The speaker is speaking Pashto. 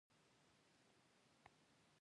ښارونه د افغانستان یو ډول طبعي ثروت دی.